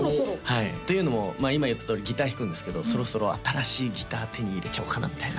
はいというのも今言ったとおりギター弾くんですけどそろそろ新しいギター手に入れちゃおうかなみたいな